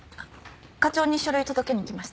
課長に書類を届けに来ました。